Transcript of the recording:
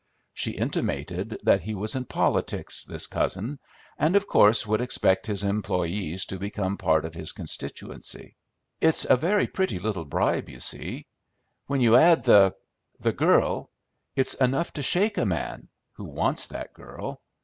She intimated that he was in politics, this cousin, and of course would expect his employees to become part of his constituency. It's a very pretty little bribe, you see; when you add the the girl, it's enough to shake a man who wants that girl.